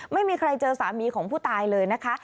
ไม่มีใครเจอสามีของผู้ตายเลยนะคะ